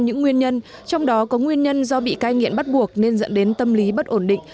những nguyên nhân trong đó có nguyên nhân do bị cai nghiện bắt buộc nên dẫn đến tâm lý bất ổn định